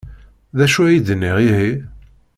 D acu ay d-nniɣ, ihi?